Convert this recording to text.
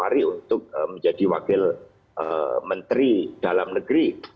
saya tidak akan menjadi wakil menteri dalam negeri